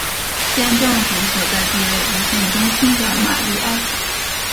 县政府所在地位于县中心的玛丽埃塔。